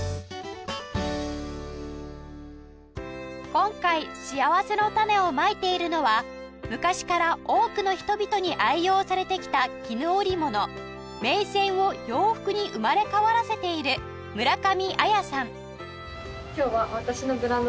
今回しあわせのたねをまいているのは昔から多くの人々に愛用されてきた絹織物銘仙を洋服に生まれ変わらせている村上采さん